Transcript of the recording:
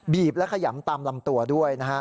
บีบและขยำตามลำตัวด้วย